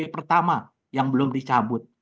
pertama yang belum dicabut